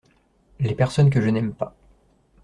Les personnes que je n’aime pas.